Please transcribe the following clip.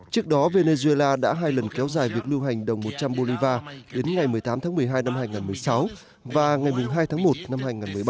trước đó venezuela đã hai lần kéo dài việc lưu hành đồng một trăm linh bolivar đến ngày một mươi tám tháng một mươi hai năm hai nghìn một mươi sáu và ngày hai tháng một năm hai nghìn một mươi bảy